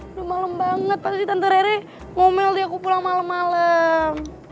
udah malem banget pas si tante rere ngomel di aku pulang malem malem